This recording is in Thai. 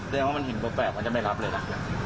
แสดงว่ามันหินแปลกมันจะไม่รับเลยนะ